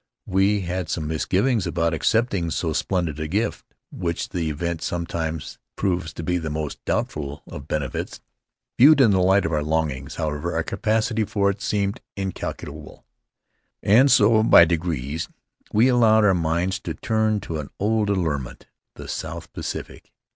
We had some misgivings about accepting so splendid a gift, which the event sometimes proves to be the most doubtful of benefits. Viewed in the light of our longings, however, our capacity for it seemed incalculable, and so, by degrees, we allowed our minds to turn to an old allurement — the South Pacific.